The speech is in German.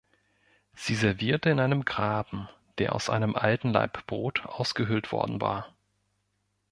Sie servierte in einem „Graben“, der aus einem „alten Laib Brot“ ausgehöhlt worden war.